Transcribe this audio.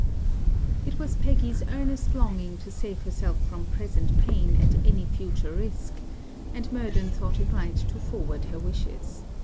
It was Peggy's earnest longing to save herself from present pain at any future risk; and Murden thought it right to forward her wishes.